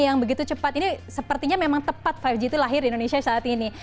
yang begitu cepat ini sepertinya memang tepat lima gt lahir di indonesia saat ini